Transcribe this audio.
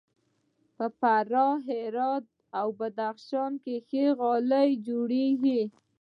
په فراه، هرات او بدخشان کې ښه غالۍ جوړیږي.